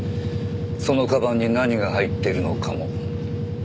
そのかばんに何が入ってるのかも。